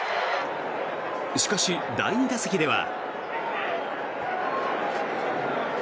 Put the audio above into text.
しかし、第２打席では。